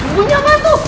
bunyinya apaan tuh